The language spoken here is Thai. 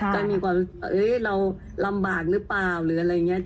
แต่มีความเราลำบากหรือเปล่าหรืออะไรงี้